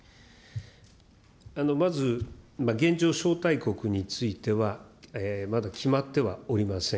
まず、現状、招待国については、まだ決まってはおりません。